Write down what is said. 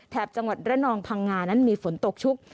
จังหวัดระนองพังงานั้นมีฝนตกชุก